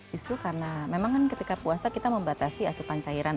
justru karena memang kan ketika puasa kita membatasi asupan cairan